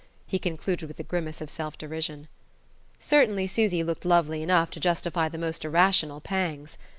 he concluded with a grimace of self derision. Certainly Susy looked lovely enough to justify the most irrational pangs.